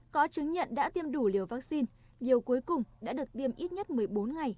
có chứng nhận đã tiêm đủ liều vaccine điều cuối cùng đã được tiêm ít nhất một mươi bốn ngày